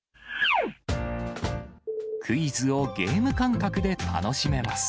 クイズをゲーム感覚で楽しめます。